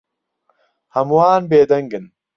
هەمووان بێدەنگن.